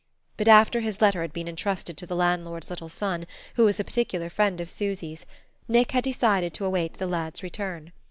But after his letter had been entrusted to the landlord's little son, who was a particular friend of Susy's, Nick had decided to await the lad's return.